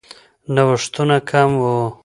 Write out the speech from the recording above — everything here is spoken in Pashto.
نوښتونه کم وو.